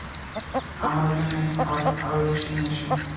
আমার উঠোনে আবার আলোর রশ্মি নিয়ে এসো।